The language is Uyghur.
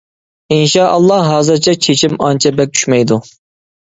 ئىنشائاللا ھازىرچە چېچىم ئانچە بەك چۈشمەيدۇ.